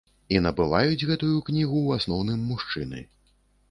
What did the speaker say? І набываюць гэтую кнігу ў асноўным мужчыны.